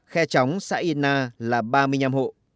khe chóng xã yên na là ba mươi năm hộ